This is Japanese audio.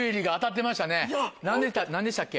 何でしたっけ？